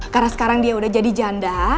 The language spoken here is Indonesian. karena sekarang dia udah jadi janda